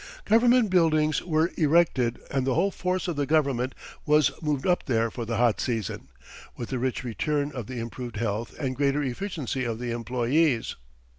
Government buildings were erected, and the whole force of the government was moved up there for the hot season, with the rich return of the improved health and greater efficiency of the employees.